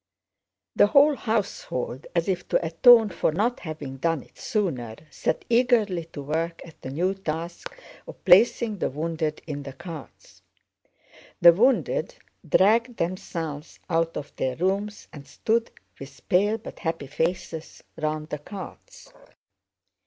The whole household, as if to atone for not having done it sooner, set eagerly to work at the new task of placing the wounded in the carts. The wounded dragged themselves out of their rooms and stood with pale but happy faces round the carts.